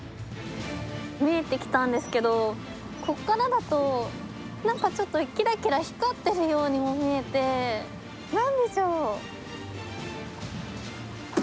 見えてきたんですけどここからだと何かキラキラ光っているようにも見えてなんでしょう？